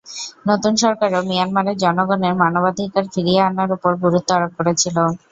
নতুন সরকারও মিয়ানমারের জনগণের মানবাধিকার ফিরিয়ে আনার ওপর গুরুত্ব আরোপ করেছিল।